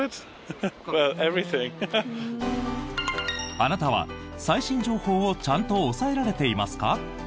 あなたは最新情報をちゃんと押さえられていますか？